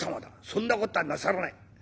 そんな事はなさらない。